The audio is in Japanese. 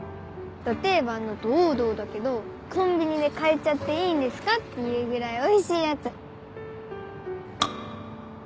ド定番のド王道だけどコンビニで買えちゃっていいんですかっていうぐらいおいしいやつ。